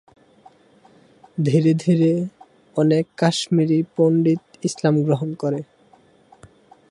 ধীরে ধীরে, অনেক কাশ্মীরি পণ্ডিত ইসলাম গ্রহণ করে।